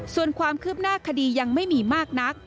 ส่วนความคืบหน้าคดียังไม่มีมากนัก